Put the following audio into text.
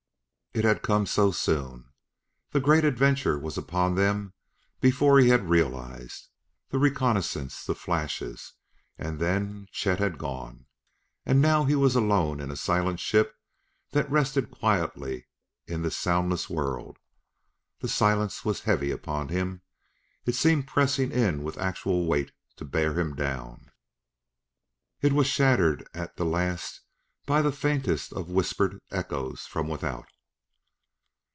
It had come so soon! The great adventure was upon them before he had realized. The reconnaissance the flashes and then Chet had gone! And now he was alone in a silent ship that rested quietly in this soundless world. The silence was heavy upon him; it seemed pressing in with actual weight to bear him down. It was shattered at the last by the faintest of whispered echoes from without.